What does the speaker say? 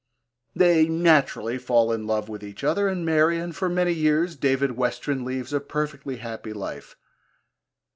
They naturally fall in love with each other and marry, and for many years David Westren leads a perfectly happy life.